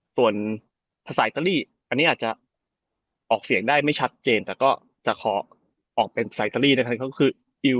ส่วนภาษาอังกฤษอันนี้อาจจะออกเสียงได้ไม่ชัดเจนแต่ก็จะขอออกเป็นภาษาอังกฤษอันนี้ก็คือ